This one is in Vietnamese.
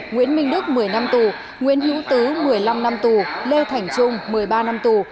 nguyễn minh đức một mươi năm tù nguyễn hữu tứ một mươi năm năm tù lê thành trung một mươi ba năm tù